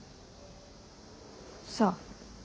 さあ。